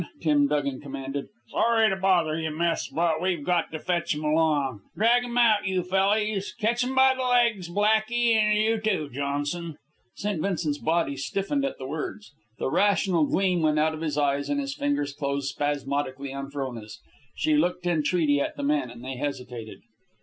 Tim Dugan commanded. "Sorry to bother ye, miss, but we've got to fetch 'm along. Drag 'm out, you fellys! Catch 'm by the legs, Blackey, and you, too, Johnson." St. Vincent's body stiffened at the words, the rational gleam went out of his eyes, and his fingers closed spasmodically on Frona's. She looked entreaty at the men, and they hesitated.